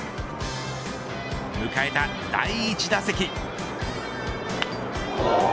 迎えた第１打席。